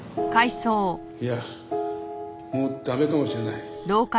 いやもう駄目かもしれない。